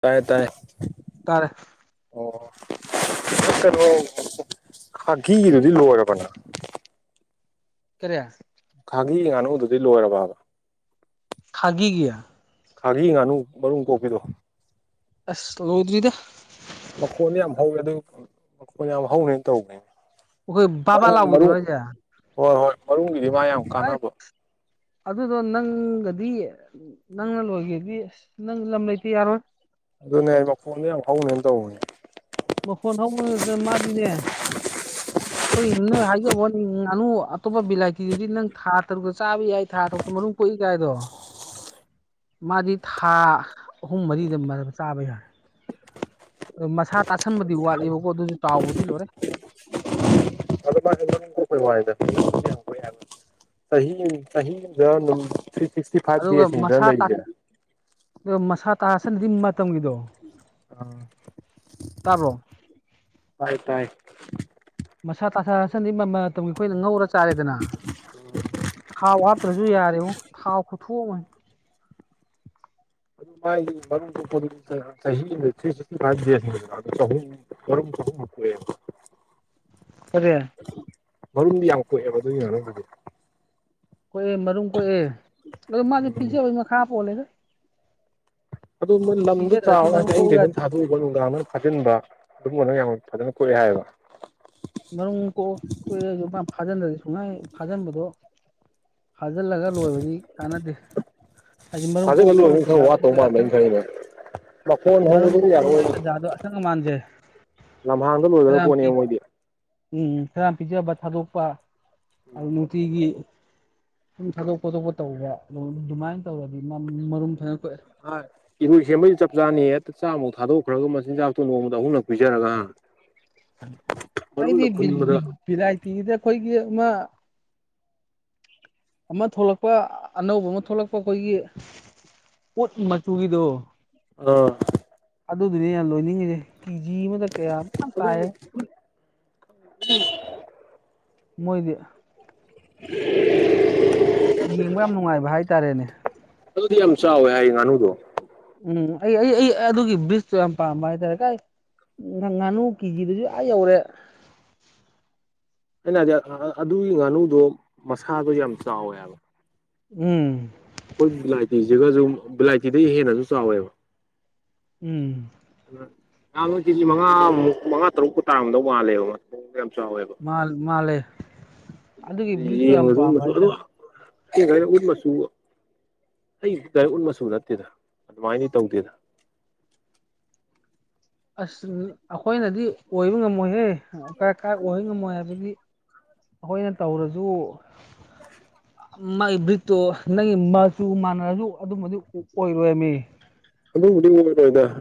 ꯇꯥꯏꯌꯦ ꯇꯥꯏꯌꯦ ꯇꯥꯔꯦ ꯑꯣ ꯀꯩꯅꯣ ꯐꯥꯒꯤꯗꯨꯗꯤ ꯂꯣꯏꯔꯕꯅ ꯀꯔꯤ ꯈꯥꯒꯤ ꯉꯥꯅꯨꯗꯨꯗꯤ ꯂꯣꯏꯔꯕꯕ ꯈꯥꯒꯤꯒꯤ ꯈꯥꯔꯤ ꯉꯥꯅꯨ ꯃꯔꯨꯝ ꯀꯣꯛꯄꯤꯗꯣ ꯑꯁ ꯂꯧꯗ꯭ꯔꯔꯤꯗ ꯃꯈꯣꯟꯅ ꯌꯥꯝ ꯍꯧꯋꯦ ꯑꯗꯨ ꯃꯈꯣꯟ ꯌꯥꯝ ꯍꯧꯅꯤꯅ ꯇꯧꯕꯅꯦꯅꯦ ꯑꯩꯈꯣꯏ ꯕꯥꯕꯥ ꯃꯔꯨ ꯃꯔꯨ ꯂꯥꯎꯕꯤꯗꯨꯔꯣ ꯍꯥꯏꯁꯦ ꯍꯣꯏ ꯍꯣꯏ ꯃꯔꯨꯒꯤꯗꯤ ꯃꯥ ꯌꯥꯝ ꯑꯁ ꯀꯥꯟꯅꯕ ꯑꯗꯨꯗꯣ ꯅꯪꯒꯗꯤ ꯅꯪꯅ ꯂꯣꯏꯒꯦꯗꯤ ꯑꯁ ꯅꯪ ꯂꯝ ꯂꯩꯇꯦ ꯌꯥꯔꯣꯏ ꯑꯗꯨꯅꯦ ꯑꯩ ꯃꯈꯣꯟꯗ ꯌꯥꯝ ꯐꯥꯎꯅꯦꯅ ꯇꯧꯕꯅꯦ ꯃ ꯐꯣꯟ ꯊꯥꯎ ꯑꯗꯨ ꯃꯥꯔꯤꯅꯦ [inaudible] ꯑꯩꯈꯣꯏ ꯅꯣꯏ ꯍꯥꯏꯖꯕ ꯉꯥꯅꯨ ꯑꯇꯣꯞꯄ ꯕꯤꯂꯥꯏꯇꯤꯗꯨꯗꯤ ꯅꯪ ꯊꯥ ꯇꯔꯨꯛꯀ ꯆꯥꯕ ꯌꯥꯏ ꯊꯥꯔꯨꯛ ꯅꯨꯝ ꯀꯣꯏꯀꯥꯏꯗꯣ ꯃꯥꯗꯤ ꯊꯥ ꯑꯍꯨꯝ ꯃꯔꯤꯗ ꯆꯥꯕ ꯌꯥꯔꯦ ꯑ ꯃꯁꯥ ꯇꯥꯁꯟꯕꯗꯤ ꯋꯥꯠꯂꯤꯕꯀꯣ ꯑꯗꯨꯁꯨ ꯆꯥꯎꯕꯗꯤ ꯂꯣꯏꯔꯦ ꯑꯗꯣ ꯆꯍꯤꯗ ꯊꯔꯤ ꯁꯤꯁꯇꯤ ꯑꯗꯨꯒ ꯐꯥꯏꯚꯁꯤꯁꯦ ꯃꯁꯥ ꯇꯥꯁꯅꯗꯤ ꯃꯇꯝꯒꯤꯗꯣ ꯑ ꯇꯥꯕ꯭ꯔꯣ ꯇꯥꯏ ꯇꯥꯏ ꯃꯁꯥ ꯇꯁꯥꯁꯟꯗꯤ ꯃꯃꯜ ꯃꯇꯝꯒꯤ ꯑꯩꯈꯣꯏꯅ ꯉꯧꯔ ꯆꯥꯔꯦꯗꯅ ꯊꯥꯎ ꯐꯠꯇ꯭ꯔꯁꯨ ꯌꯥꯔꯦꯕ ꯊꯥꯎ ꯈꯨꯊꯣꯛꯑꯝꯃꯣꯏ ꯑꯗꯨ ꯃꯥꯒꯤ ꯃꯔ ꯆꯍꯤꯤ ꯐꯚꯨꯝ ꯑꯈ ꯑꯗꯨꯗ ꯃꯔꯨꯝ ꯌꯥꯝ ꯀꯣꯛꯑꯦꯕ ꯑꯗꯨꯒꯤ ꯉꯅꯗꯨꯗꯤ ꯀꯣꯛꯑꯦ ꯃꯔꯨꯝ ꯀꯣꯛꯑꯦ ꯑꯣ ꯃꯥꯖꯦ ꯎꯝ ꯄꯤꯖꯕꯒꯤ ꯃꯈꯥ ꯄꯣꯜꯂꯦꯗ ꯑꯗꯨ ꯂꯝꯗꯣ ꯄꯤꯖꯗ꯭ꯔꯗꯤ ꯃꯔꯨꯝ ꯆꯥꯎꯔꯒꯗꯤ ꯀꯣꯛꯎ ꯍꯪꯁꯦ ꯑꯗꯨꯝ ꯌꯥꯗꯦ ꯊꯥꯗꯣꯛꯕ ꯅꯨꯡꯗꯥꯡ ꯐꯥꯖꯤꯟꯕ ꯑꯗꯨꯒꯝꯕꯅ ꯌꯥꯝ ꯑꯗꯨ ꯑꯗꯨꯅ ꯀꯔ ꯍꯥꯏꯕ ꯃꯔꯨꯝ ꯀꯣ ꯀꯣꯏꯁꯨ ꯃꯥ ꯐꯥꯖꯤꯟꯗꯗꯤ ꯁꯨꯡꯉꯥꯏ ꯐꯥꯖꯤꯟꯕꯗꯣ ꯐꯥꯖꯤꯜꯂꯒ ꯂꯣꯏꯕꯗꯤ ꯀꯥꯟꯅꯗꯦ ꯍꯥꯏꯗꯤ ꯃꯔꯨꯝ ꯊꯗꯦ ꯀꯜꯂ ꯀꯣꯛꯄ ꯑ ꯊ ꯇꯟꯖꯥꯗꯣ ꯋꯥ ꯇ ꯑꯩꯈꯣꯏ ꯃꯥ ꯑꯁꯪ ꯊ ꯃ ꯐꯣꯟ ꯍꯗ ꯃꯔꯨꯝ ꯀꯣꯛꯄꯗꯩ ꯍꯅꯤ ꯇꯟꯖꯥꯗꯣ ꯑꯁꯪ ꯑꯃꯥꯟꯁꯦ ꯂꯝꯍꯥꯡꯗ ꯈꯔ ꯂꯣꯏꯗꯕ ꯌꯥꯝ ꯄꯤ ꯄꯣꯠꯅꯦꯕ ꯃꯣꯏꯗꯤ ꯎꯝ ꯈꯔ ꯄꯤꯖꯕ ꯊꯥꯗꯣꯛꯄ ꯑꯗꯨ ꯅꯨꯡꯇꯤꯒꯤ ꯁꯨꯝ ꯊꯥꯗꯣꯛ ꯈꯣꯠꯇꯣꯛꯄ ꯇꯧꯕ ꯑꯗꯨꯃꯥꯏꯅ ꯇꯧꯔꯗꯤ ꯃꯔꯨꯝ ꯊꯗ ꯑ ꯏꯕ ꯍꯦꯃꯤ ꯆꯞ ꯆꯥꯅꯤ ꯑ ꯆꯥ ꯊꯥꯗꯣꯛꯈ꯭ꯔꯒ ꯃꯆꯤꯟꯖꯥꯛꯇꯣ ꯅꯣꯡꯃꯗ ꯑꯍꯨꯝꯂꯛ ꯄꯤꯖꯔꯒ ꯃꯔꯨꯝꯗ ꯑꯩꯗꯤ ꯈꯨꯟꯕꯗ ꯚꯦꯔꯥꯏꯇꯤꯒꯤꯗꯤ ꯑꯩꯈꯣꯏꯒꯤ ꯑꯃ ꯑꯃ ꯊꯣꯛꯂꯛꯄ ꯑꯅꯧꯕ ꯑꯃ ꯊꯣꯛꯂꯛꯄ ꯑꯩꯈꯣꯏꯒꯤ ꯄꯣꯠ ꯃꯆꯨꯒꯤꯗꯣ ꯑ ꯑꯗꯨꯗꯨꯅꯦ ꯌꯥꯝ ꯂꯣꯏꯅꯤꯡꯉꯁꯦ ꯀꯦꯖꯤ ꯑꯃꯗ ꯀꯌꯥꯨ ꯑꯗꯨ ꯇꯥꯏꯌꯦ [unintelligible] ꯃꯣꯏꯗꯤ [inaudible] ꯌꯦꯡꯕ ꯌꯥꯝ ꯅꯨꯡꯉꯥꯏꯕ ꯍꯥꯏꯇꯥꯔꯦꯅꯦ ꯑꯗꯨꯗꯤ ꯌꯥꯝ ꯆꯥꯎꯋꯦ ꯍꯥꯏ ꯉꯥꯅꯨꯗꯣ ꯎꯝ ꯑꯩ ꯑꯩ ꯑꯩ ꯑꯗꯨꯒꯤ ꯕ꯭ꯔꯤꯖꯇꯨ ꯌꯥꯝ ꯄꯥꯝꯕ ꯍꯥꯏꯇꯥꯔꯦ ꯀꯥꯏ ꯉꯥꯅꯨ ꯀꯤꯖꯤꯗꯁꯨ ꯑ ꯌꯧꯔꯦ [inaudible] ꯑꯩꯅ ꯍꯥꯏꯗꯤ ꯑꯗꯨꯒꯤ ꯉꯥꯅꯨꯗꯣ ꯃꯁꯥꯗꯣ ꯌꯥꯝ ꯆꯥꯎꯋꯦꯕ ꯎꯝ ꯑꯩꯈꯣꯏ ꯕꯤꯂꯥꯏꯇꯤꯁꯤꯒꯁꯨ ꯕꯤꯂꯥꯏꯇꯤꯗꯒꯤ ꯍꯦꯟꯅꯁꯨ ꯆꯥꯎꯋꯦꯕ ꯎꯝ ꯑ ꯀꯦꯖꯤ ꯃꯉꯥꯃꯨꯛ ꯃꯉꯥ ꯇꯔꯨꯛꯀꯨ ꯇꯥꯔꯝꯗꯧ ꯃꯥꯜꯂꯦꯕ ꯆꯥꯎꯋꯦꯕ ꯃꯥꯜꯂꯦ ꯑꯗꯨꯒꯤ ꯕ꯭ꯔꯤꯠꯇꯣ ꯌꯥꯝ ꯄꯥꯝꯕ ꯍꯥꯏꯁ ꯀꯔ ꯃ ꯁ ꯑꯩ ꯇꯔꯤ ꯎꯟ ꯃꯁꯨ ꯅꯠꯇꯦꯗ ꯑꯗꯨꯃꯥꯏꯅ ꯇꯧꯗꯦꯗ ꯑꯁ ꯑꯩꯈꯣꯏꯅꯗꯤ ꯑꯣꯏꯕ ꯉꯝꯃꯣꯏꯍꯦ ꯀꯔꯥꯏ ꯀꯥꯏ ꯑꯣꯏꯕ ꯉꯝꯃꯣꯏ ꯍꯥꯏꯕꯗꯤ ꯑꯩꯈꯣꯏꯅ ꯇꯧꯔꯁꯨ ꯃꯥꯏ ꯕ꯭ꯔꯤꯠꯇꯣ ꯅꯪꯒꯤ ꯃꯆꯨ ꯃꯥꯟꯅꯔꯁꯨ ꯑꯗꯨꯃꯗꯤ ꯑꯣꯏꯔꯣꯏ ꯃꯤ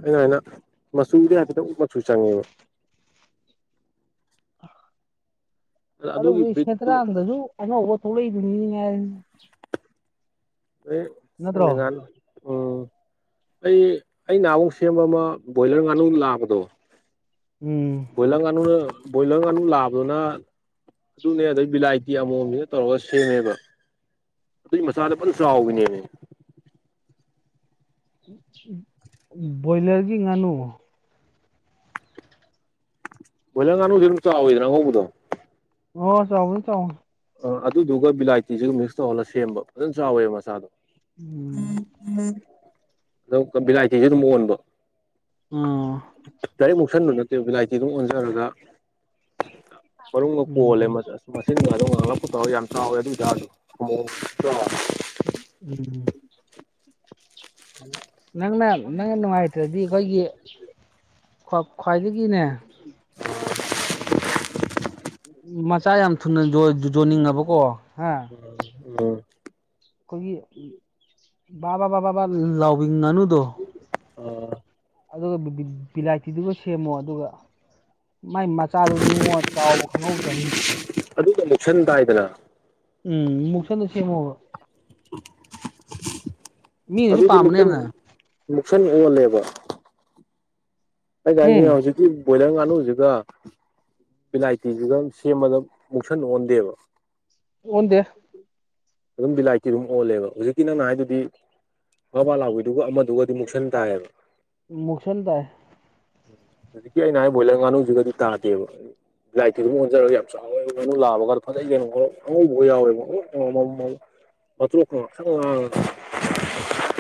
ꯑꯩꯅꯃꯥꯏꯅ ꯃꯆꯨꯗ ꯍꯥꯏꯐꯦꯠꯇ ꯎꯞ ꯃꯆꯨ ꯆꯪꯉꯦꯕ ꯑꯗꯨꯒꯤ ꯕ꯭ꯔꯤꯠꯇꯨ [unintelligible] [unintelligible] [unintelligible] ꯑ ꯅꯠꯇ꯭ꯔꯣ ꯑꯩ ꯑꯩ ꯅꯍꯥꯟꯃꯨꯛ ꯁꯦꯝꯕ ꯑꯃ ꯕꯣꯏꯂꯔ ꯉꯥꯅꯨ ꯅꯥꯕꯗꯣ ꯎꯝ ꯕꯣꯏꯂꯔ ꯉꯥꯅꯨ ꯕꯣꯏꯂꯔ ꯉꯥꯅꯨ ꯂꯥꯕꯗꯨꯅ ꯑꯗꯨꯅꯦ ꯑꯗꯩ ꯕꯤꯂꯥꯏꯇꯤ ꯑꯃꯣꯝꯖꯤꯒ ꯇꯧꯔꯒ ꯁꯦꯝꯃꯦꯕ ꯑꯗꯨꯏ ꯃꯆꯥꯗꯣ ꯐꯖꯥꯟꯅ ꯆꯥꯎꯕꯤꯅꯦꯃꯤ ꯕꯣꯏꯂꯔꯒꯤ ꯉꯥꯅꯨ ꯕꯣꯏꯂꯔ ꯉꯥꯅꯨꯗꯤ ꯑꯗꯨꯝ ꯆꯥꯎꯋꯤꯗꯅ ꯑꯉꯥꯎꯕꯗꯣ꯫ ꯑꯣ ꯆꯥꯎꯕꯅꯤ ꯆꯥꯎꯕꯅꯤ ꯫ ꯑꯥ ꯑꯗꯨꯗꯨꯒ ꯕꯤꯂꯥꯏꯇꯤꯁꯤꯒ ꯃꯤꯛꯁ ꯇꯧꯔꯒ ꯁꯦꯝꯕ ꯐꯖꯅ ꯆꯥꯎꯋꯦꯕ ꯃꯆꯥꯗꯣ ꯎꯝ ꯕꯤꯂꯥꯏꯇꯤꯗꯤ ꯑꯗꯨꯝ ꯑꯣꯟꯕ꯫ ꯑꯣ ꯕꯤꯂꯥꯏꯇꯤꯗꯨꯝ ꯑꯣꯟꯖꯔꯒ ꯃꯔꯨꯝꯒ ꯀꯣꯜꯂꯦ ꯎꯝ [unintelligible] ꯌꯥꯝꯟ ꯆꯥꯎꯋꯦ ꯑꯗꯨ ꯑꯣꯏ ꯇꯥꯔꯖꯨ ꯑꯃꯣꯝ [unintelligible] ꯎꯝꯝ ꯅꯪꯅ ꯅꯪꯅ ꯅꯨꯡꯉꯥꯏꯇ꯭ꯔꯗꯤ ꯑꯩꯈꯣꯏꯒꯤ ꯈ꯭ꯋꯥꯏꯗꯒꯤꯅꯦ ꯎ ꯃꯆꯥ ꯌꯥꯝ ꯊꯨꯅ ꯌꯣꯟꯅꯤꯡꯉꯕꯀꯣ ꯍꯥ ꯎꯝ ꯑꯩꯈꯣꯏꯒꯤ ꯕꯥ ꯕꯥ ꯕꯥ ꯕꯥꯕꯥ ꯂꯥꯎꯕꯤ ꯉꯥꯅꯨꯗꯣ ꯑꯥ ꯑꯗꯨ ꯕꯤꯂꯥꯏ ꯇꯤꯗꯨꯒ ꯁꯦꯝꯃꯣ ꯑꯗꯨꯒ ꯃꯥꯏ ꯃꯆꯥꯗꯨꯗꯤꯉꯣ ꯆꯥꯎꯕ ꯈꯪꯍꯧꯗꯕꯅꯤ꯫ [unintelligible] ꯎꯝ ꯃꯨꯛꯁꯟꯗꯣ ꯁꯦꯝꯃꯣꯕ ꯃꯤꯅꯁꯨ ꯑꯗꯨꯗꯤ ꯄꯥꯝꯕꯅꯦ ꯃꯨꯛꯁꯟ ꯌꯥꯝꯅ ꯃꯨꯛꯁꯟ ꯑꯣꯜꯂꯦꯕ ꯑꯩꯅ ꯎꯝ ꯍꯥꯏꯖꯦ ꯍꯧꯖꯤꯛꯀꯤ ꯕꯣꯏꯂꯔ ꯉꯥꯅꯨꯁꯤꯒ ꯕꯤꯂꯥꯏꯇꯤꯖꯤꯒ ꯁꯦꯝꯕꯗ ꯃꯨꯛꯁꯟ ꯑꯣꯟꯗꯦꯕ ꯑꯣꯟꯗꯦ꯫ ꯑꯗꯨꯝ ꯕꯤꯂꯥꯏꯇꯤ ꯑꯗꯨꯝ ꯑꯣꯜꯂꯦꯕ ꯍꯧꯖꯤꯛꯀꯤ ꯅꯪꯅ ꯍꯥꯏꯗꯨꯗꯤ ꯕꯥ ꯕꯥ ꯂꯥꯥꯎꯕꯤꯗꯨꯒ ꯑꯃꯗꯨꯒꯗꯤ ꯃꯨꯛꯁꯟ ꯇꯥꯏꯌꯦꯕ꯫ ꯃꯨꯛꯁꯟ ꯇꯥꯏ ꯍꯧꯖꯤꯛ ꯀꯤ ꯑꯩꯅ ꯍꯥꯏꯔꯤ ꯕꯣꯏꯂꯔ ꯉꯥꯅꯨꯖꯤꯒꯗꯤ ꯇꯥꯗꯦꯕ ꯕꯤꯂꯥꯏꯇꯤ ꯑꯗꯨꯝ ꯑꯣꯟꯖꯔꯒ ꯌꯥꯝ ꯆꯥꯎꯋꯦ ꯉꯅꯨ ꯂꯥꯕꯀꯗꯣ ꯐꯖꯩꯪ ꯀꯩꯅꯣ ꯑꯉꯥꯎꯕꯀꯥ ꯌꯥꯎꯌꯦꯕ ꯉꯧꯔꯣꯛ ꯉꯧꯔꯒ ꯃꯇꯔꯣꯛꯀ ꯉꯥꯡꯁꯪ ꯉꯥꯡꯉꯒ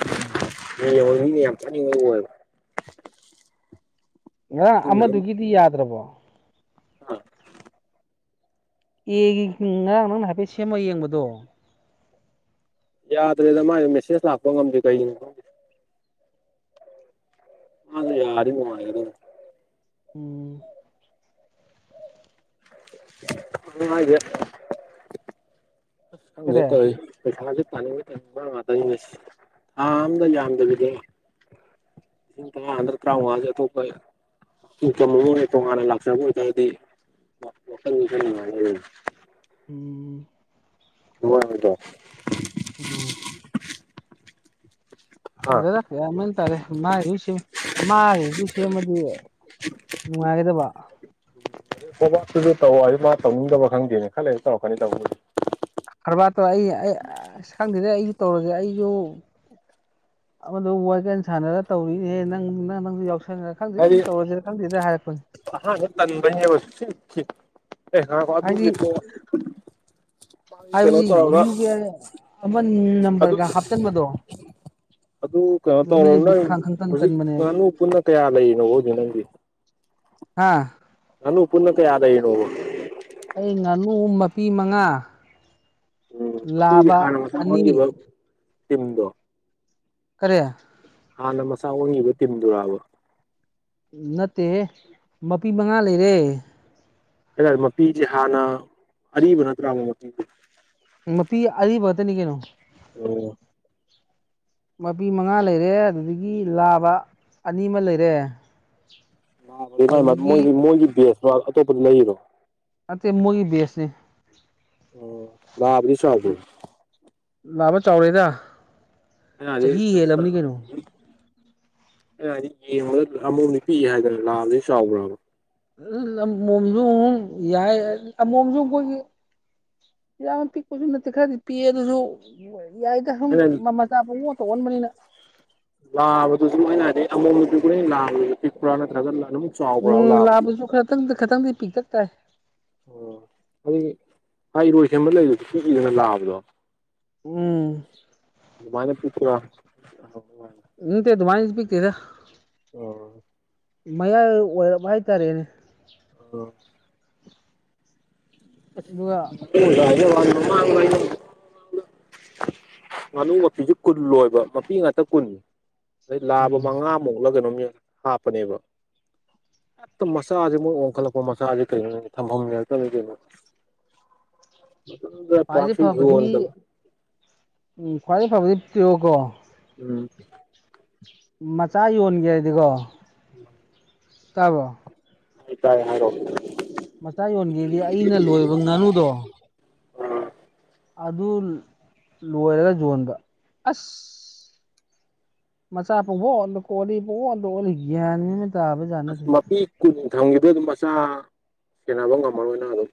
ꯎꯝ ꯑꯩꯅ ꯌꯥꯝ ꯐꯨꯅꯤꯡꯕꯗꯣ ꯑꯣꯏꯕꯥ ꯉꯥꯔꯥꯡ ꯑꯃꯗꯨꯒꯤꯗꯤ ꯌꯥꯗ꯭ꯔꯕꯣ꯫ ꯍꯥ ꯑꯦꯒꯤ ꯉꯔꯥꯡ ꯅꯪꯅ ꯍꯥꯏꯐꯦꯠ ꯁꯦꯝꯃꯒ ꯌꯦꯡꯕꯗꯣ ꯌꯥꯗ꯭ꯔꯦꯗ ꯃꯥꯢꯗꯣ ꯃꯦꯁꯦꯁ ꯂꯥꯛꯄ ꯉꯝꯗꯦ ꯀꯩꯒꯤꯅꯣ ꯈꯪꯗꯦ꯫ ꯃꯗꯣ ꯌꯥꯔꯗꯤ ꯅꯨꯉꯥꯏꯒꯗꯧꯅꯤ ꯎꯝ ꯑꯗꯨꯅꯦ ꯍꯥꯢꯁꯦ ꯑꯁ ꯈꯪꯗ꯭ꯔꯦꯗ ꯀꯔꯤ ꯇꯧꯔꯤꯁꯦ ꯄꯩꯁꯥꯖꯤ ꯇꯥꯅꯤꯡꯕꯩ ꯇꯅꯤꯡꯕ ꯉꯥꯛꯇꯅꯤꯡꯅꯦꯁꯤ ꯊꯥ ꯑꯃꯗ ꯌꯥꯝꯗꯕꯤꯗ ꯂꯤꯁꯤꯡ ꯇꯔꯥ ꯅꯠꯇ꯭ꯔꯒ ꯇ꯭ꯔꯥꯎꯉꯥ ꯑꯇꯣꯞꯄ ꯇꯣꯉꯥꯟꯅ ꯂꯥꯛꯆꯕ ꯑꯣꯏꯇꯥꯔꯗꯤ ꯋꯥꯈꯜ ꯈꯔ ꯅꯨꯡꯉꯥꯏꯅꯤ ꯎꯝ ꯍꯗ ꯎꯝ ꯍꯥ ꯪ ꯌꯥꯝ ꯇꯔꯦ ꯃꯥꯁꯤ ꯃꯥꯒꯤ ꯄꯨꯁꯤ ꯑꯃꯗꯤ ꯅꯨꯡꯉꯥꯏꯒꯗꯕ ꯣꯇꯨꯁꯨ ꯇꯧꯑꯣ ꯑꯗꯨ ꯃꯥ ꯇꯧꯅꯤꯡꯗꯕ ꯈꯪꯗꯦꯅꯦ ꯈꯜꯂꯦꯁꯨ ꯇꯧꯔꯛꯀꯅꯤ ꯇꯧꯕꯗꯤ ꯀꯔꯕꯥꯔ ꯇꯧꯔ ꯑꯩ ꯑꯩ ꯈꯪꯗꯗꯩ ꯑꯩꯁꯨ ꯇꯧꯔꯁꯦ ꯑꯩꯁꯨ ꯑꯃꯗꯨ ꯋꯥꯏꯒꯦꯟ ꯁꯥꯟꯅꯔ ꯇꯧꯔꯤꯅꯦꯦ ꯅꯪ ꯅꯪ ꯅꯪꯁꯨ ꯌꯥꯎꯁ ꯑꯔꯤ ꯇꯟꯕꯅꯤꯁ ꯑꯦ ꯍ ꯍꯥꯏꯗꯤ ꯑꯗꯨꯠꯇ ꯀꯩꯅꯣ ꯇ ꯎꯝ ꯅꯝꯕꯝꯕꯔꯒ ꯍꯥꯞꯆꯟ ꯃꯗꯣ ꯑꯗꯨ ꯀꯩꯅꯣ ꯇꯧꯔꯕꯣ ꯅꯪ ꯇꯟ ꯍꯧꯖꯤꯛ ꯇꯟꯕꯅꯦꯕ ꯉꯥꯅꯨ ꯄꯨꯟꯅ ꯀꯌꯥ ꯂꯩꯔꯤꯅꯣ ꯍꯧꯖꯤꯦ ꯅꯪꯒꯤ ꯑꯥ ꯅꯅꯨ ꯄꯨꯟꯅ ꯀꯗ ꯌꯦꯅ ꯑꯩ ꯉꯥꯅꯨ ꯃꯄꯤ ꯃꯉꯥ ꯎꯝ ꯐ ꯂꯥꯕ ꯍꯥꯟꯅ ꯃꯁꯥ ꯑꯅꯤ ꯑꯣꯟꯈꯤꯕ ꯇꯤꯝꯗꯣ ꯀꯔꯤꯌꯥ ꯍꯥꯟꯅ ꯃꯁꯥ ꯑꯣꯏꯉꯕ ꯇꯤꯟꯗꯨꯣꯔꯕ ꯅꯠꯇꯦ ꯃꯄꯤ ꯃꯉꯥ ꯂꯩꯔꯦ ꯍꯥꯏꯦ ꯃꯄꯤꯁꯤ ꯍꯥꯟꯅ ꯑꯔꯤꯕ ꯅꯠꯇ꯭ꯔꯥ ꯑꯃꯛ ꯃꯄꯤꯁ ꯃꯄꯤ ꯑꯔꯤꯕꯇꯅꯤ ꯀꯩꯅꯣ ꯑꯣ ꯃꯄꯤ ꯃꯉꯥ ꯂꯩꯔꯦ ꯑꯗꯨꯗꯒꯤ ꯂꯥꯕ ꯑꯅꯤ ꯑꯃ ꯂꯩꯔꯦ ꯑꯗꯨꯗꯒꯤ ꯣꯏ ꯃꯣꯏꯒꯤ ꯕꯦꯁꯣ ꯑꯇꯣꯞꯄꯗ ꯂꯩꯔꯣ ꯑꯇꯩ ꯃꯨꯒꯤ ꯦꯁꯅꯤ ꯑ ꯂꯕꯅꯤ ꯁꯥꯕ ꯂꯥꯛꯕ ꯆꯥꯎꯔꯦꯗ ꯑ ꯆꯍꯤ ꯆꯁ ꯍꯦꯜꯂꯝꯅꯤ ꯀꯩꯅꯣ ꯑꯦ ꯍꯥꯏꯗꯤ ꯌꯦꯡꯉꯗ ꯑꯃꯧꯗꯤ ꯄꯤꯛ ꯍꯥꯏꯗꯅ ꯂꯥꯛꯑꯕꯗꯤ ꯆꯥꯎꯕ꯭ꯔꯕ ꯎ ꯑꯃꯣꯝꯁꯨ ꯌꯥꯏ ꯑꯃꯣꯝꯁꯨ ꯑꯩꯈꯣꯏꯒꯤ ꯌꯥꯝꯅ ꯄꯤꯛꯄꯁꯨ ꯅꯠꯇꯦ ꯈꯔꯗꯤ ꯄꯤꯛꯑꯦ ꯑꯗꯨꯁꯨ ꯌꯥꯏꯗ ꯁꯨꯝ ꯑꯩꯅ ꯃꯃꯜꯆꯥꯥ ꯐꯥꯎ ꯑꯣꯠꯇ ꯑꯣꯟꯕꯅꯤꯅ ꯂꯥꯕꯗꯨꯁꯨ ꯃꯣꯏ ꯅꯥꯔꯦ ꯑꯃꯣꯝꯁꯨ ꯀꯨꯅ ꯂꯥꯕ ꯄꯤꯛꯄꯨꯔꯥ ꯅꯠꯇ꯭ꯔꯒ ꯂ ꯎꯝ ꯂꯥꯕꯁꯨ ꯈꯇꯪꯗꯤ ꯈꯤꯇꯪꯗꯤ ꯄꯤꯛꯇꯛ ꯇꯥꯏ ꯑꯣ ꯑꯗꯨ ꯏꯔꯣꯏ ꯁꯦꯝꯕ ꯂꯩꯕꯗꯨ ꯀꯤꯏꯗꯅ ꯂꯥꯛꯑꯕꯗꯣ ꯎꯝ ꯃꯥꯅꯦ ꯄꯤꯊ ꯎꯝꯇ ꯑꯗꯨꯃꯥꯏ ꯄꯤ ꯀꯦꯗ ꯃꯌꯥꯏ ꯑꯣꯏꯕ ꯍꯥꯏꯇꯥꯔꯦꯅꯦ ꯑ ꯑꯗꯨꯒ ꯖ ꯋꯥꯥꯡ ꯉꯥꯅꯨ ꯃꯄꯤꯁꯨ ꯀꯨꯟ ꯂꯣꯏꯕ ꯃꯄꯤ ꯉꯥꯛꯇ ꯀꯨꯟꯅꯤ ꯑꯗꯩ ꯂꯥꯕ ꯎꯝ ꯃꯉꯥꯃꯨꯛꯂ ꯀꯩꯅꯣ ꯍꯥꯞꯄꯅꯦꯕ ꯍꯛꯇ ꯃꯆꯥꯁꯦ ꯃꯣꯏ ꯑꯣꯟꯈꯠꯂꯛꯄ ꯃꯆꯥꯁꯦ ꯀꯩꯅꯣ ꯊꯝꯐꯝꯅꯦꯦꯛꯇꯅꯤ ꯀꯩꯅꯣ ꯃ ꯈ꯭ꯋꯥꯏꯗꯩ ꯄꯁ ꯐꯕꯗꯤ ꯌꯗ ꯎꯝ ꯈ꯭ꯋꯥꯏ ꯐꯕꯗꯤ ꯄꯤꯣꯀꯣ ꯎꯝ ꯃꯆꯥ ꯌꯣꯟꯒꯦ ꯍꯥꯏꯗꯤꯀꯣ ꯇꯥꯕꯣ ꯇ ꯇꯥꯏ ꯍꯥꯏꯔꯛꯑꯣ ꯃꯆꯥ ꯌꯣꯟꯒꯦꯗꯤ ꯑꯩꯅ ꯂꯣꯏꯕ ꯉꯥꯅꯨꯗꯣ ꯑꯁ ꯑꯗꯨ ꯂꯣꯏꯔꯒ ꯌꯣꯟꯕ ꯑꯁ ꯃꯆꯥ ꯄꯨꯕꯣꯗ ꯀꯣꯂꯤ ꯄꯣꯗ ꯑꯣꯂꯤꯒꯅꯤ ꯑꯁ ꯃꯄꯤ ꯀꯨꯟꯊꯝꯒꯤꯗ ꯑꯗꯨꯝ ꯃꯆꯥ ꯁꯦꯟꯅꯕ ꯉꯝꯃꯔꯣꯏꯅꯪ ꯑꯗꯨꯝ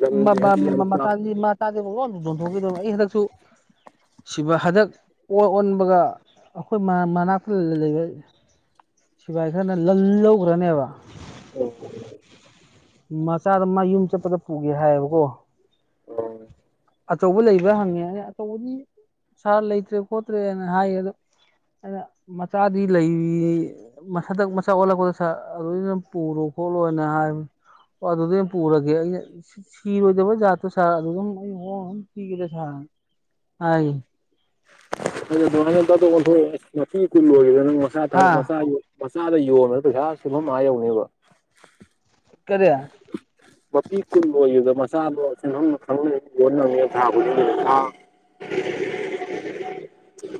ꯂꯝꯗꯤ ꯍꯥꯏꯗꯤ ꯌꯥꯝ ꯆꯥꯎ ꯃꯁꯤꯕꯨ ꯂꯣꯟ ꯌꯣꯟꯊꯣꯛꯈꯤꯗꯕꯅꯦ ꯑꯩ ꯍꯟꯗꯛꯁꯨ ꯁꯤꯕꯨ ꯍꯟꯗꯛ ꯑꯣ ꯑꯣꯟꯕꯒ ꯑꯩꯈꯣꯏ ꯃꯅꯥꯛꯇ ꯂꯩꯕ ꯁꯤꯚꯏ ꯈꯔꯅ ꯂꯜꯍꯈ꯭ꯔꯅꯦꯕ ꯎ ꯃꯆꯥꯗ ꯃꯥ ꯌꯨꯝ ꯆꯠꯄꯗ ꯄꯨꯒꯦ ꯍꯥꯏꯌꯦꯕꯀꯣ ꯎ ꯑꯆꯧꯕ ꯂꯩꯕ꯭ꯔꯥ ꯍꯪꯉꯦ ꯑ ꯑꯆꯧꯕꯗꯤ ꯁꯥꯔ ꯂꯩꯇ꯭ꯔꯦ ꯈꯣꯠꯇ꯭ꯔꯦꯅ ꯍꯥꯏꯌꯦ ꯑꯗꯣ ꯑ ꯃꯆꯥꯗꯤ ꯂꯩꯔꯤ ꯃꯟꯗꯛ ꯃꯆꯥ ꯑꯣꯜꯂꯛꯄꯗ ꯂꯣꯏꯅ ꯄꯨꯔꯣ ꯈꯣꯠꯂꯣꯅ ꯍꯥꯏꯕ ꯑꯗꯨꯗꯤ ꯄꯨꯔꯒꯦ ꯑꯩ ꯁꯤꯔꯣꯏꯗꯕ ꯖꯥ ꯑꯗꯨꯝ ꯍ ꯄꯤꯒꯗ ꯁꯥ ꯍꯥꯏ ꯊ ꯀꯜꯂꯨꯗ ꯅ ꯃꯁꯥ ꯊ ꯍꯥ ꯃꯁꯥꯒꯤ ꯃꯆꯥꯗ ꯌꯣꯟꯕꯒ ꯄꯩꯁꯥ ꯁꯦꯝꯐꯝ ꯃꯥ ꯌꯧꯅꯦꯕ ꯀꯔꯤ ꯃꯄꯤ ꯀꯨꯕ ꯑꯣꯏꯈꯤꯕꯗ ꯃꯆꯥꯗꯣ ꯑꯁꯤꯪ ꯈꯪꯅ ꯌ ꯅꯉꯦ ꯊꯥꯕ ꯎꯝ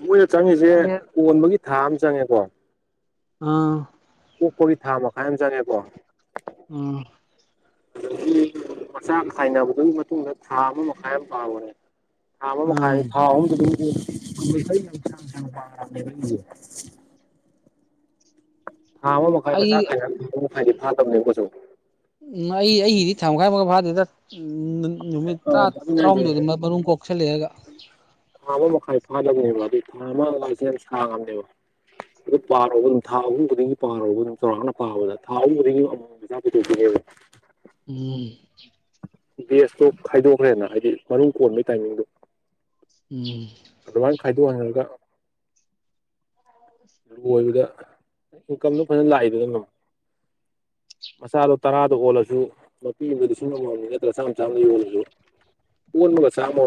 ꯃꯣꯏꯅ ꯆꯪꯉꯁꯦ ꯈꯥꯃꯦꯟ ꯀꯣꯟꯕꯒꯤ ꯊꯥ ꯑꯃ ꯆꯪꯉꯦꯀꯣ ꯑꯥ ꯑꯣꯣꯛ ꯀꯣꯔꯤ ꯊꯥ ꯃꯈꯥꯏ ꯑꯃ ꯆꯪꯉꯦꯀꯣ ꯎꯝ ꯑꯗꯒꯤ ꯃꯆꯥ ꯊꯥꯏꯅꯕꯗꯨꯒꯤ ꯃꯇꯨꯡꯗ ꯊꯥ ꯑꯃ ꯃꯈꯥꯏ ꯌꯥꯝ ꯄꯥꯕꯅꯦ ꯊꯥ ꯑꯃ ꯃꯈꯥꯏꯅꯤ ꯎꯝ ꯊꯥ ꯑꯍꯨꯝꯗꯨꯗꯤ ꯀꯁ ꯄ ꯀ ꯊꯥ ꯑꯃ ꯃꯈꯥꯏ ꯑꯩ ꯃꯆꯥ ꯈꯥꯏꯅ ꯃꯈꯥꯏꯗꯤ ꯐꯥꯗꯕꯅꯦ ꯃꯁꯨ ꯎ ꯑꯩ ꯑꯩꯒꯤꯗꯤ ꯊꯥ ꯃꯈꯥꯏꯃꯒ ꯐꯥꯗꯦꯗ ꯎ ꯅꯨꯃꯤꯠ ꯑꯥ ꯇꯔꯥ ꯑꯗꯨꯅꯦ ꯍꯥꯏꯁꯦ ꯇꯔꯥꯍꯨꯝꯗꯣꯏꯗ ꯃꯅꯨꯡ ꯀꯣꯛꯁꯜꯂꯛꯑꯒ ꯊꯥ ꯑꯃ ꯃꯈꯥꯏ ꯐꯥꯗꯕꯅꯦꯕ ꯑꯗꯨ ꯊꯥ ꯑꯃ ꯂꯥꯏꯁꯦꯟꯁ ꯈꯥꯡꯉꯕꯅꯦꯕ ꯑꯗꯨ ꯄꯥꯔꯨꯕ ꯑꯗꯨꯝ ꯊꯥ ꯑꯍꯨꯝꯕꯗꯒꯤ ꯄꯥꯔꯨꯕ ꯑꯗꯨꯝ ꯆꯥꯎꯔꯥꯛꯅ ꯄꯥꯕꯗ ꯊꯥ ꯑꯍꯨꯝꯗꯒꯤ ꯑꯃꯖ ꯄꯨꯊꯣꯛꯅꯦꯕ [unintelligible] ꯎꯝ ꯕꯦꯁꯇꯣ ꯈꯥꯏꯗꯣꯛꯈ꯭ꯔꯦꯅ ꯍꯥꯏꯗꯤ ꯃꯔꯨꯝ ꯀꯣꯟꯕꯒꯤ ꯇꯥꯏꯃꯤꯡꯗꯣ ꯎꯝ ꯑꯗꯨꯃꯥꯏꯅ ꯈꯥꯏꯗꯣꯛꯍꯟꯂꯒ ꯂꯣꯏꯕꯗ ꯏꯟꯀꯝꯗꯣ ꯐꯖꯅ ꯂꯥꯛꯏꯗꯗꯅ ꯃꯆꯥꯗꯣ ꯇꯔꯥꯗ ꯑꯣꯜꯂꯁꯨ ꯃꯄꯤꯕ ꯂꯤꯁꯤꯡ ꯑꯃꯃꯝꯅꯤ ꯅꯠꯇ꯭ꯔꯥ ꯆꯥꯝ ꯆꯥꯝꯗ ꯌꯜꯂꯁꯨ ꯄ ꯁꯃ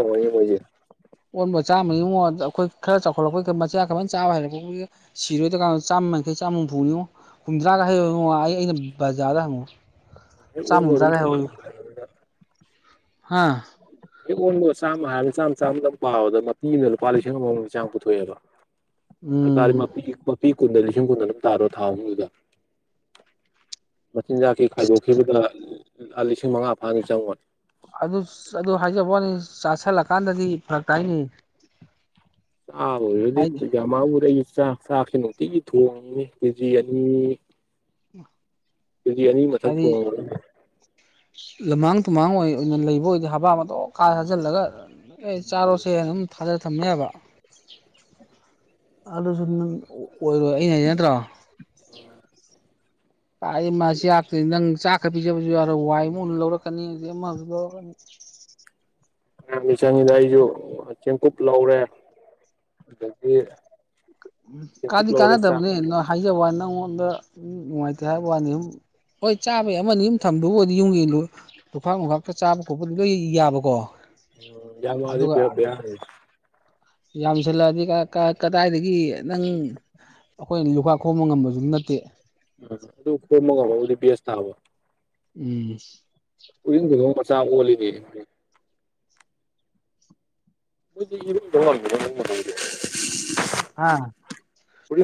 ꯃꯉꯗ ꯑꯩꯈꯣꯏ ꯈꯔ ꯆꯥꯎꯈꯠꯂꯛꯄꯩ ꯃꯆꯥ ꯈꯔꯅ ꯆꯥꯕ ꯍꯔꯛꯄꯕꯨꯒꯤ ꯁꯤꯔꯣꯏꯔꯀꯥꯟꯗ ꯆꯥꯝꯃꯡꯩ ꯆꯥꯝꯃ ꯍꯨꯝꯐꯨꯅꯤꯉꯣ ꯀꯨꯝꯗꯅꯥꯒꯦꯥꯗ [unintelligible] ꯍꯥꯥ ꯍꯦꯛ ꯑꯣꯟꯕ ꯆꯥꯝꯃ ꯍꯥꯏꯔ ꯆꯥꯝꯃ ꯆꯥꯝꯃꯗꯪ ꯄꯥꯎꯕꯗ ꯃꯇꯦꯡꯅ ꯂꯨꯄꯥ ꯂꯤꯁꯤꯡ ꯑꯃꯃꯝꯒꯤ ꯆꯥꯡꯝ ꯄꯨꯊꯣꯛꯑꯦꯕ ꯑ ꯇꯥꯔ ꯎꯝ ꯃꯄꯤ ꯃꯄꯤ ꯀꯨꯟꯗ ꯂꯤꯁꯤꯡ ꯀꯨꯟꯗ ꯑꯗꯨꯝ ꯇꯥꯔꯣ ꯊꯥ ꯑꯍꯨꯝꯗꯨꯗ ꯃꯆꯤꯟꯖꯥꯛꯀꯤ ꯑꯁ ꯈꯥꯏꯗꯣꯛꯈꯤꯕꯗ ꯂ ꯂꯤꯁꯤꯡ ꯃꯉꯥ ꯐꯥꯅ ꯆꯪꯕꯅꯤ ꯑꯗꯨ ꯑꯗꯨ ꯍꯥꯏꯖꯕ ꯋꯥꯅꯤ ꯆꯥꯁꯤꯜꯂꯀꯥꯟꯗꯗꯤ ꯐꯔꯛ ꯀꯥꯏꯅꯤ ꯑ ꯑꯣꯏꯗꯤ ꯏ ꯌꯃ ꯎꯔꯦꯒꯤ ꯆꯥꯛ ꯆꯥꯛꯁꯦ ꯅꯨꯡꯇꯤꯒꯤ ꯊꯣꯡꯉꯉꯤ ꯀꯦꯖꯤ ꯑꯅꯤ ꯐꯔꯤꯌꯥꯅꯤ ꯃꯊꯛ ꯊꯣꯡꯉ ꯂꯃꯥꯡ ꯇꯨꯝꯍꯥꯡ ꯑꯣꯏꯅ ꯂꯩꯕ ꯑꯣꯏꯗꯤ ꯍꯥꯕꯥ ꯃꯇꯇꯣꯛ ꯀꯥ ꯍꯥꯖꯤꯜꯂꯒ ꯑꯦ ꯆꯥꯔꯣꯁꯦ ꯑꯗꯨꯝ ꯊꯥꯖ ꯊꯝꯃꯦꯕ ꯑꯂꯁꯨ ꯅꯪ ꯑꯣꯏꯔꯣꯏ ꯑꯩꯅ ꯍꯥꯏꯖ ꯅꯠꯇ꯭ꯔꯥ ꯇꯥ ꯃꯥꯁꯤꯥꯛꯅꯤ ꯅꯪ ꯆꯥꯛ ꯄ ꯄꯤꯖꯕꯁꯨ ꯑ ꯋꯥꯏ ꯑꯃ ꯂꯧꯔꯛꯀꯅꯤ ꯑ ꯑꯃꯨ ꯂꯧꯔꯛꯀꯅꯤ [unintelligible] ꯆꯪꯉꯤꯗ ꯑꯩꯁꯨ ꯆꯦꯡꯀꯨꯞ ꯂꯧꯔꯦ ꯑꯗꯒꯤ ꯆꯦꯡꯀꯨꯞ ꯀꯥꯗꯤ ꯂꯧꯔꯦ ꯆꯥꯛ ꯀꯥꯟꯅꯗꯕꯅꯦ ꯍꯥꯏꯖꯕꯋꯥꯅꯦ ꯅꯪꯉꯣꯟꯗ [unintelligible] ꯅꯨꯡꯉꯥꯏꯇꯦ ꯍꯥꯏꯕ ꯋꯥꯅꯤ [unintelligible] ꯍꯣꯏ ꯆꯥꯕꯩ ꯑꯃꯅꯤ ꯑꯗꯨꯝ ꯊꯝꯕꯕꯨ ꯑꯣꯏꯗꯤ ꯌꯨꯝꯒꯤꯕꯨ ꯂꯨꯈꯥꯛ ꯅꯨꯡꯈꯥꯛꯀ ꯆꯥꯕ ꯈꯣꯠꯄꯗꯤ ꯂꯣꯏ ꯌꯥꯕꯀꯣ [unintelligible] ꯌꯥꯝꯁꯜꯂꯛꯑꯗꯤ ꯀ ꯀ ꯀꯗꯥꯏꯗꯒꯤ ꯅꯪ ꯑꯩꯈꯣꯏꯅ ꯂꯨꯈꯥꯛ ꯈꯣꯝꯕ ꯉꯝꯕꯁꯨ ꯅꯠꯇꯦ ꯑꯗꯨ ꯁꯦꯝꯕ ꯉꯝꯃꯕꯨꯗꯤ ꯕꯦꯁ ꯇꯥꯕ ꯎꯝ [unintelligible] ꯃꯆꯥ ꯑꯣꯟꯂꯤꯅꯦ [unintelligible] ꯑꯥ ꯄꯨ